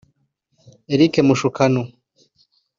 Eric Mashukano